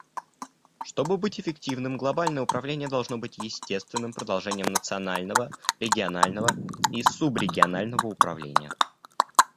Чтобы быть эффективным, глобальное управление должно быть естественным продолжением национального, регионального и субрегионального управления.